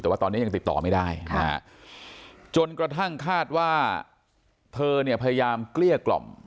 แต่ว่าตอนนี้ยังติดต่อไม่ได้นะฮะจนกระทั่งคาดว่าเธอเนี่ยพยายามเกลี้ยกล่อม